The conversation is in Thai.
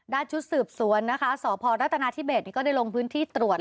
ชุดสืบสวนนะคะสพรัฐนาธิเบสก็ได้ลงพื้นที่ตรวจ